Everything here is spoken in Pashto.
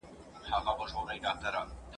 زه د میني زولانه یم زه د شمعي پر وانه یم ,